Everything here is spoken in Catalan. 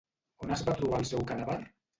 On es va trobar el seu cadàver?